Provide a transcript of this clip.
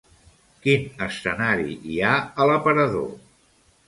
Quin escenari hi ha a l'aparador?